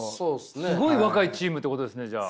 すごい若いチームってことですねじゃあ。